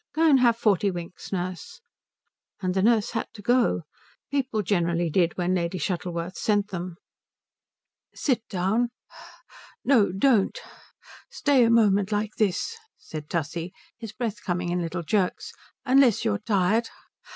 Go and have forty winks, nurse." And the nurse had to go; people generally did when Lady Shuttleworth sent them. "Sit down no don't stay a moment like this," said Tussie, his breath coming in little jerks, "unless you are tired?